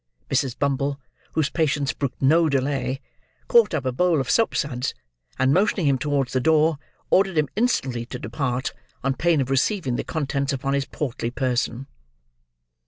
Mrs. Bumble, whose patience brooked no delay, caught up a bowl of soap suds, and motioning him towards the door, ordered him instantly to depart, on pain of receiving the contents upon his portly person.